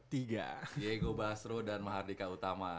diego basro dan mahardika utama